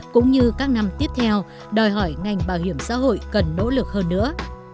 cũng như các năm tiếp theo đòi hỏi ngành bảo hiểm xã hội cần nỗ lực hơn nữa